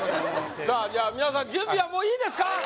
さあじゃあ皆さん準備はもういいですか？